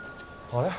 あれ？